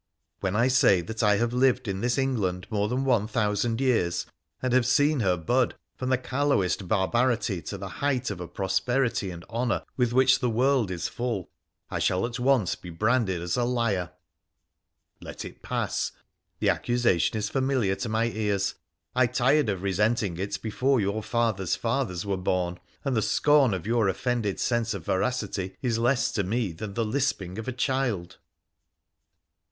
When I say that I have lived in this England more than one thousand years, and have seen her bud from the callowest barbarity to the height of a prosperity and honour with which the world is full, I shall at once be branded as a liar. Let it pass ! The accusation is familiar to my ears. I tired of resenting it before your fathers' fathers were born, and the scorn of your offended sense of veracity is less to me than the lisping of a child.